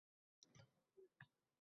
Gigant kemaning dvigateli ishdan chiqdi.